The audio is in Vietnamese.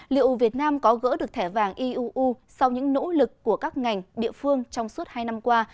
liệu việt nam có gỡ được thẻ vàng iuu sau những nỗ lực của các ngành địa phương trong suốt hai năm qua